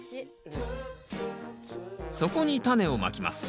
そこにタネをまきます。